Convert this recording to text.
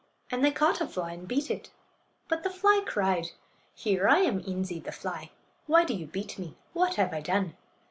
And they caught a fly and beat it. But the fly cried: "Here! I am Een'zee, the fly. Why do you beat me? What have I done?"